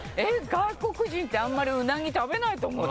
外国人ってあんまりウナギ食べないと思ってた。